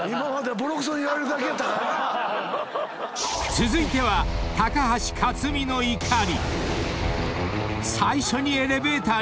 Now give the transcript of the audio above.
［続いては高橋克実の怒り］